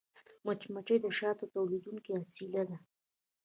مچمچۍ د شاتو تولیدوونکې اصلیه ده